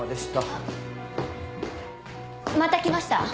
また来ました。